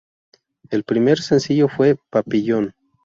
El primer sencillo fue "Papillon".